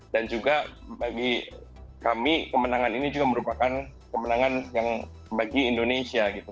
dan juga bagi kami kemenangan ini juga merupakan kemenangan yang bagi indonesia